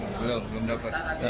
belum belum dapat